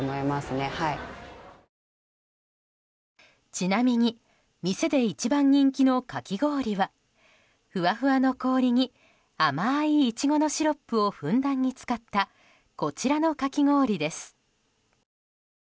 ちなみに店で一番人気のかき氷はふわふわの氷に甘いイチゴのシロップをふんだんに使ったこちらのかき氷です。